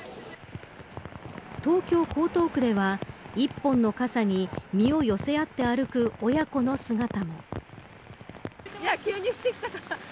東京・江東区では１本の傘に身を寄せ合って歩く親子の姿も。